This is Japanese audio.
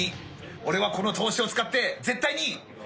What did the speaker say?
オレはこの投資を使って絶対に。